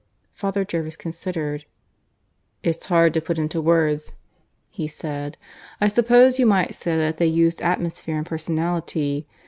Father Jervis considered. "It's hard to put it into words," he said. "I suppose you might say that they used atmosphere and personality.